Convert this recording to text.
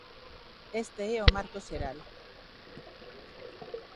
Este é o marco xeral.